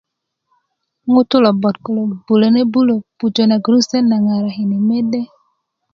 ŋutú lobot kuló 'bulanebulá pujá na gurusuté na ŋarakini medé